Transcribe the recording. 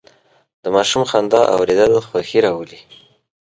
د ماشوم خندا اورېدل خوښي راولي.